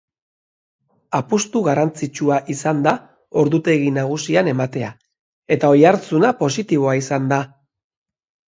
Apustu garrantzitsua izan da ordutegi nagusian ematea, eta oihartzuna positiboa izan da.